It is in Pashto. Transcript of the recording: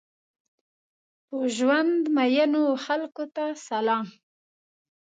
په ژوند مئینو خلکو ته سلام!